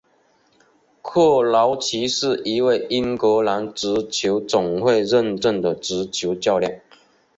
克劳奇是一位英格兰足球总会认证的足球教练。